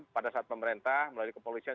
pada saat pemerintah melalui kepolisian